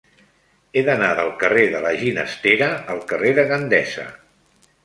He d'anar del carrer de la Ginestera al carrer de Gandesa.